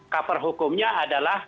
cover hukumnya adalah